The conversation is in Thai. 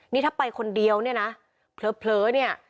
นี่ถ้าไปคนเดียวเนี่ยนะเผลอเนี่ย